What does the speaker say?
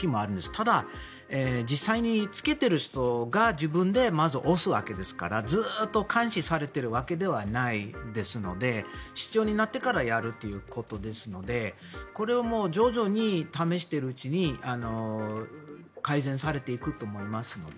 ただ、実際につけている人が自分でまず押すわけですからずっと監視されているわけじゃないので必要になってからやるということですのでこれを徐々に試しているうちに改善されていくと思いますので。